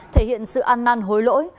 thể hiện sự ăn năn hối lỗi